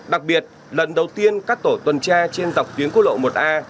đặc biệt lần đầu tiên các tổ tuần tra trên dọc tuyến quốc lộ một a